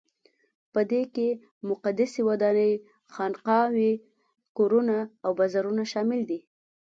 په دې کې مقدسې ودانۍ، خانقاوې، کورونه او بازارونه شامل دي.